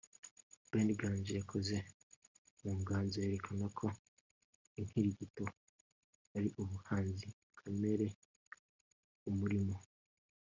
Ben Nganji yakoze mu nganzo yerekana ko ‘Inkirigito’ ari ubuhanzi kamere bumurimo